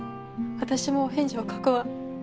私も返事を書くわ。